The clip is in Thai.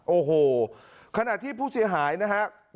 โอ้โหขณะที่ผู้เสียหายนะครับ